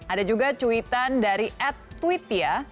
ada juga cuitan dari ad twittia